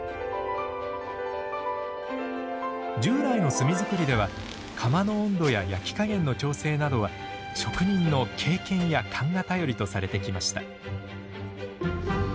従来の炭づくりでは窯の温度や焼き加減の調整などは職人の経験や勘が頼りとされてきました。